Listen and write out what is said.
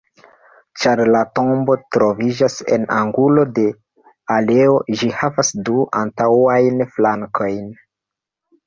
Ĉar la tombo troviĝas en angulo de aleo, ĝi havas du antaŭajn flankojn.